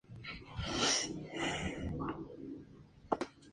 Estas lunas fueron probablemente capturadas por Júpiter de órbitas solares.